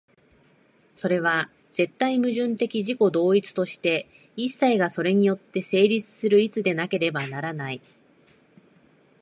それは絶対矛盾的自己同一として、一切がそれによって成立する一でなければならない。